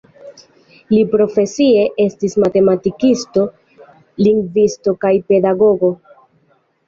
Li profesie estis matematikisto, lingvisto kaj pedagogo.